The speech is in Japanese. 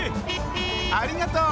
ありがとう！